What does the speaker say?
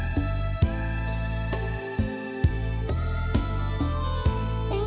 รองได้ให้หลานเพลงที่๒เพลงม้าครับ